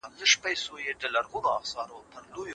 سياسي ګوندونه بايد منظم وي.